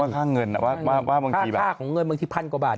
ว่าค่าเงินค่าของเงินบางทีพันกว่าบาท